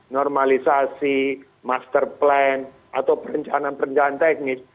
normalisasi master plan atau perencanaan perencanaan teknis